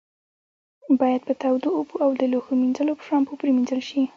باید په تودو اوبو او د لوښو منځلو په شامپو پرېمنځل شي.